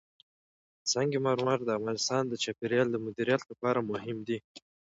سنگ مرمر د افغانستان د چاپیریال د مدیریت لپاره مهم دي.